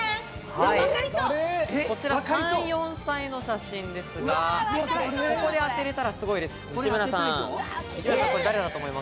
こちら３４歳の写真ですが、ここで当てれたら、すごいです。